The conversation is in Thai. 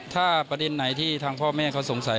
ถ้าประเด็นไหนที่ทางพ่อแม่เขาสงสัย